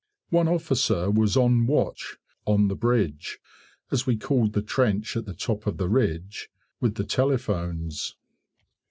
One officer was on watch "on the bridge" (as we called the trench at the top of the ridge) with the telephones.